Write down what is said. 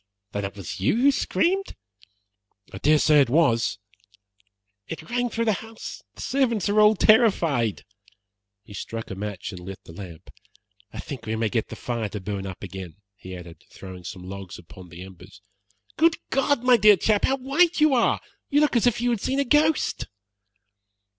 "Then it was you who screamed?" "I dare say it was." "It rang through the house. The servants are all terrified." He struck a match and lit the lamp. "I think we may get the fire to burn up again," he added, throwing some logs upon the embers. "Good God, my dear chap, how white you are! You look as if you had seen a ghost."